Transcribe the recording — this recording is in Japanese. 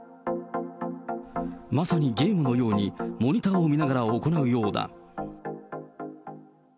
まさにゲームのようにモニターを見ながら行うようだ。